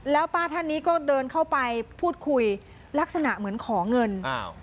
แล้วป้าท่านนี้ก็เดินเข้าไปพูดคุยลักษณะเหมือนขอเงินอ้าว